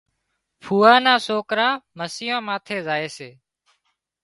ڦوئا نا سوڪران مسيان ماٿي زائي سي